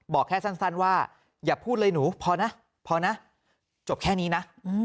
บอกแค่สั้นว่าอย่าพูดเลยหนูพอนะพอนะจบแค่นี้นะ